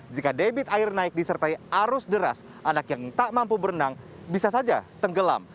jika debit air naik disertai arus deras anak yang tak mampu berenang bisa saja tenggelam